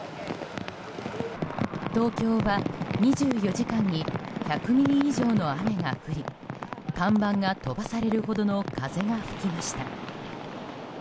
東京は２４時間に１００ミリ以上の雨が降り看板が飛ばされるほどの風が吹きました。